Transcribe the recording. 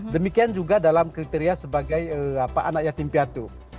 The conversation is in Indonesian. demikian juga dalam kriteria sebagai anak yatim piatu